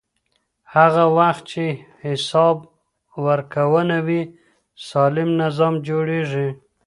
هغه وخت چې حساب ورکونه وي، سالم نظام جوړېږي.